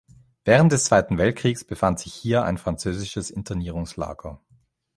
Während des Zweiten Weltkriegs befand sich hier ein französisches Internierungslager.